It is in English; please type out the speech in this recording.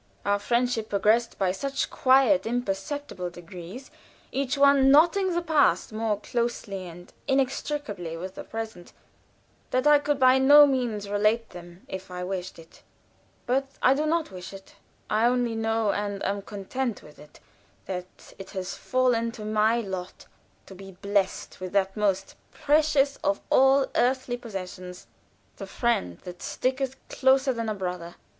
Our friendship progressed by such quiet, imperceptible degrees, each one knotting the past more closely and inextricably with the present, that I could by no means relate them if I wished it. But I do not wish it. I only know, and am content with it, that it has fallen to my lot to be blessed with that most precious of all earthly possessions, the "friend" that "sticketh closer than a brother."